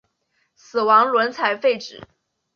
死亡轮才废止。